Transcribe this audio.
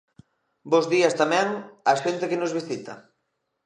Bos días tamén á xente que nos visita.